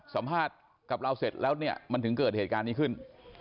สัมภาษณ์กับเราเสร็จแล้วเนี่ยมันถึงเกิดเหตุการณ์นี้ขึ้น